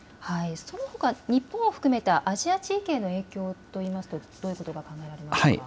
そのほか日本を含めたアジア地域への影響といいますとどういうことが考えられますか。